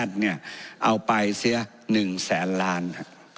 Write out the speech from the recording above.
การแพทย์เนี่ยเอาไปเสียหนึ่งแสนล้านฮะ